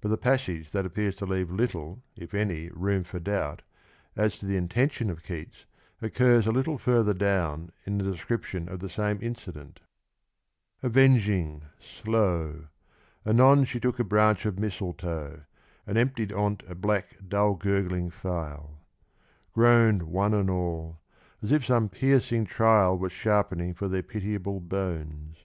But the passage that appears to leave little, if any, room for doubt as to the intention of Keats occurs a little further down in the description of the same incident : Avenging, slow, Anon she took a branch ot mistletoe, And emptied on't a black dull gurgling phial : Groan'd one and all, as if some piercing trial Was sharpening for their pitiable bones.